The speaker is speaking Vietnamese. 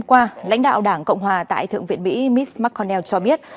hôm qua lãnh đạo đảng cộng hòa tại thượng viện mỹ mits mcconnell cho biết